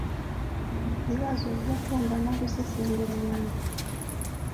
Ibibazo byo kumva no gusesengura umwandiko: